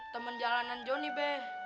temen jalanan jonny be